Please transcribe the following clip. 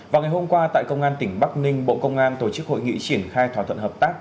vào ngày hôm qua tại công an tỉnh bắc ninh bộ công an tổ chức hội nghị triển khai thỏa thuận hợp tác